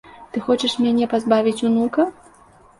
Ты хочаш мяне пазбавіць унука?